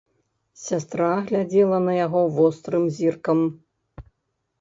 Сястра глядзела на яго вострым зіркам.